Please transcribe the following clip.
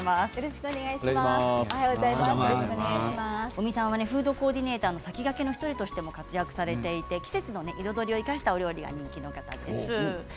尾身さんはフードコーディネーターの先駆けの１人としても活躍されていて季節の彩りを生かした料理が人気の方です。